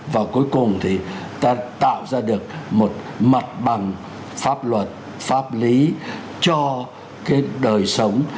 và cuối cùng thì ta tạo ra được một mặt bằng pháp luật pháp lý cho cái đời sống